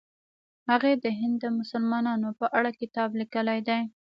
هغې د هند د مسلمانانو په اړه کتاب لیکلی دی.